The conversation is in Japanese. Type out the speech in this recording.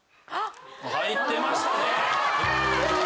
入ってましたね。